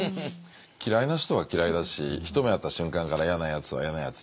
嫌いな人は嫌いだし一目会った瞬間から嫌なやつは嫌なやつと思うんですけど。